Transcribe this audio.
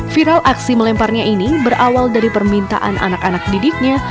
viral aksi melemparnya ini berawal dari permintaan anak anak didiknya